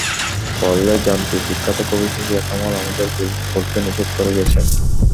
করলে জানতি, বিখ্যাত কবি সুফিয়া কামাল আমাদের গোল করতে নিষেধ করে গেছেন।